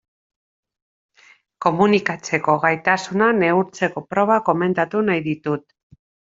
Komunikatzeko gaitasuna neurtzeko proba komentatu nahi ditut.